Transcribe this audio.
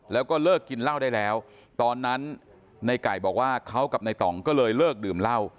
แล้วก็เลิกกินเหล้าได้แล้วตอนนั้นในไก่บอกว่าเขากับในต่องก็เลยเลิกดื่มเหล้า